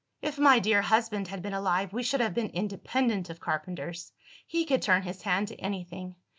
"If my dear husband had been alive, we should have been independent of carpenters; he could turn his hand to anything.